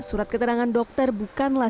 surat keterangan dokter bukanlah